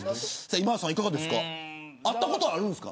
今田さん、いかがですか。